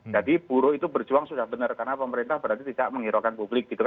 jadi buruh itu berjuang sudah benar karena pemerintah berarti tidak menghiraukan publik